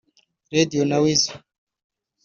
Radio na Weasel